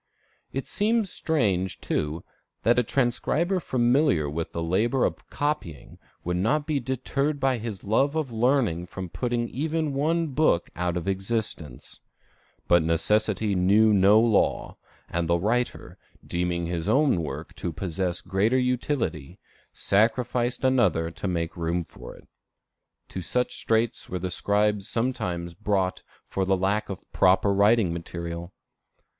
It seems strange, too, that a transcriber familiar with the labor of copying would not be deterred by his love of learning from putting even one book out of existence. But necessity knew no law; and the writer, deeming his own work to possess greater utility, sacrificed another to make room for it, to such straits were the scribes sometimes brought for the lack of writing material.